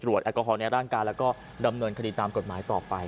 แอลกอฮอลในร่างกายแล้วก็ดำเนินคดีตามกฎหมายต่อไป